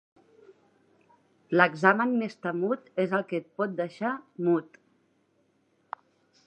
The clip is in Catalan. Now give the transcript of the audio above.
L'examen més temut és el que et pot deixar mut.